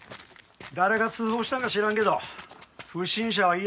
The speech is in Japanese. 誰が通報したんか知らんけど不審者は家の中や。